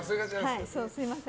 すみません。